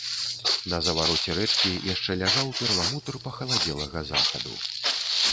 На завароце рэчкі яшчэ ляжаў перламутр пахаладзелага захаду.